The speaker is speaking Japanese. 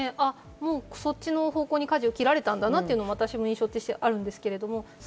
もうそっちの方向に舵を切られたんだなと、私も印象としてあります。